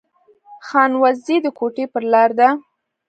خانوزۍ د کوټي پر لار ده